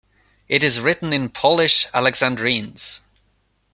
It is written in Polish alexandrines.